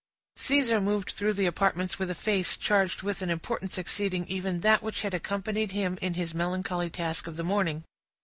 Caesar moved through the apartments with a face charged with an importance exceeding even that which had accompanied him in his melancholy task of the morning.